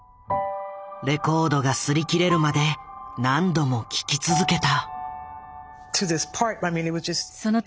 レコードが擦り切れるまで何度も聴き続けた。